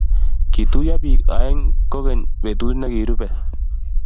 Kituiyo biik aeng kogeny betut negirube